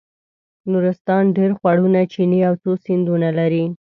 نورستان ډېر خوړونه چینې او څو سیندونه لري.